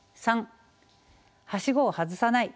３はしごを外さない。